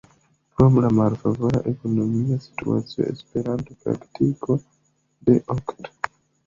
Pro la malfavora ekonomia situacio "Esperanto-Praktiko" de okt.